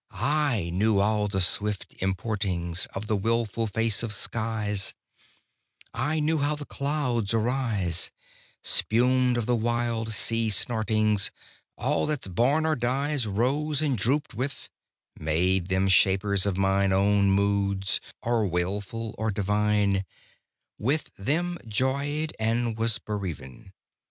I knew all the swift importings On the wilful face of skies; I knew how the clouds arise, Spumèd of the wild sea snortings; All that's born or dies Rose and drooped with; made them shapers Of mine own moods, or wailful or divine With them joyed and was bereaven.